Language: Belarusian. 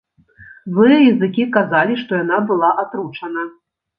Злыя языкі казалі, што яна была атручана.